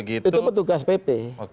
itu petugas pp